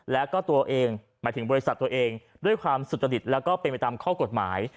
แล้วก็ตัวเองหมายถึงบริษัทตัวเองด้วยความสุจริตแล้วก็เป็นไปตามข้อกฎหมาย